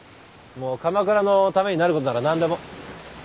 もう鎌倉のためになることなら何でも。